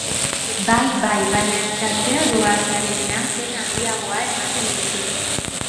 Bai, bai, baina gazteagoa zarenean pena handiagoa ematen dizu.